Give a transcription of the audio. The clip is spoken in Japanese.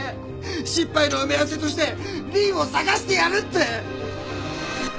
失敗の埋め合わせとして凜を捜してやるって。